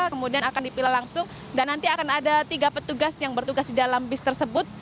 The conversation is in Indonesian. kemudian akan dipilih langsung dan nanti akan ada tiga petugas yang bertugas di dalam bis tersebut